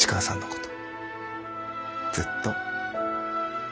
ずっと。